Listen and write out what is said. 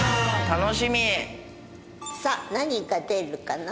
さあ何が出てるかな。